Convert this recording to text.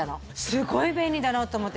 すごい便利だなと思って。